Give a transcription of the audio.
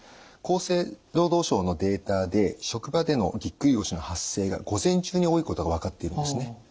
厚生労働省のデータで職場でのぎっくり腰の発生が午前中に多いことが分かっていますね。